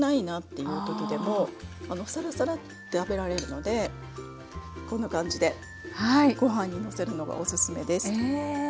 さらさらって食べられるのでこんな感じでご飯にのせるのがおすすめです。